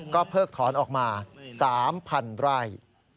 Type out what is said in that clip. เพิกถอนออกมา๓๐๐๐ไร่